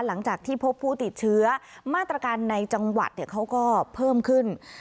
หลังจากที่พบผู้ติดเชื้อมาตรการในจังหวัดเขาก็เพิ่มขึ้น